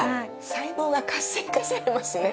細胞が活性化されますね。